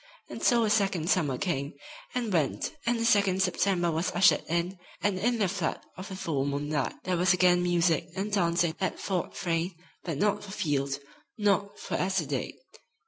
And so a second summer came and went and a second September was ushered in, and in the flood of the full moonlight there was again music and dancing at Fort Frayne, but not for Field, not for Esther Dade.